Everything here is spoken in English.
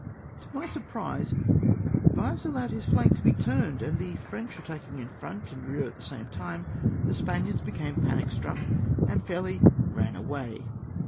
To my surprise, Vives allowed his ilank to be turned, and the French attacking in front and rear at the same time the Spaniards became panic struck, and fairly ran away.